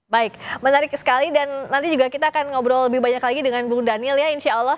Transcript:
baik menarik sekali dan nanti juga kita akan ngobrol lebih banyak lagi dengan bung daniel ya insya allah